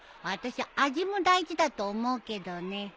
あたしゃ味も大事だと思うけどね。